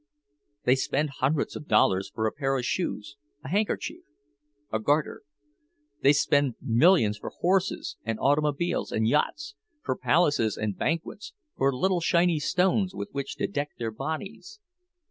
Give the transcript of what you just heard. They spend hundreds of dollars for a pair of shoes, a handkerchief, a garter; they spend millions for horses and automobiles and yachts, for palaces and banquets, for little shiny stones with which to deck their bodies.